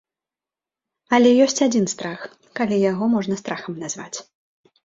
Але ёсць адзін страх, калі яго можна страхам назваць.